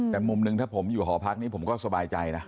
แต่มุมหนึ่งถ้าผมอยู่หอพักนี้ผมก็สบายใจนะ